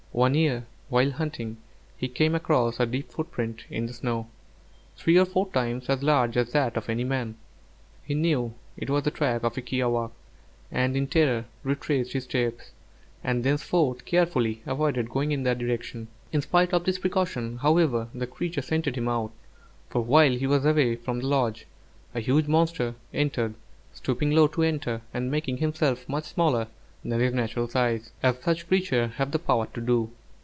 One year, while hunting, he came across a deep footprint in the snow, three or four times as large as that of any man. He knew it was the track of a kiawākq', and in terror retraced his steps, and thenceforth carefully avoided going in that direction. In spite of this precaution, however, the creature scented him out; for while he was away from the lodge, a huge monster entered, stooping low to enter, and making himself much smaller than his natural size, as such creatures have the power to do.